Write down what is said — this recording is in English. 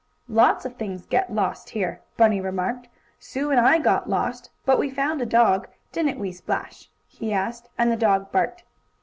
"Lots of things get lost here," Bunny remarked. "Sue and I got lost, but we found a dog; didn't we, Splash?" he asked, and the dog barked.